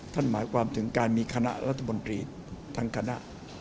หมายความถึงการมีคณะรัฐมนตรีทั้งคณะ